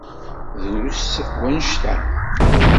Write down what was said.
Drus wanect-a.